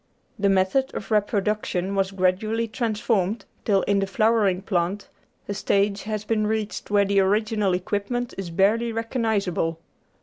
The method of reproduction was gradually transformed till, in the flowering plant, a stage has been reached where the original equipment is barely recognisable.